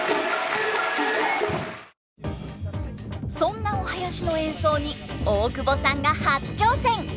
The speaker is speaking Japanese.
そんなお囃子の演奏に大久保さんが初挑戦！